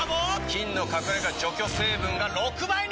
菌の隠れ家除去成分が６倍に！